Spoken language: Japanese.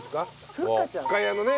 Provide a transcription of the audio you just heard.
深谷のね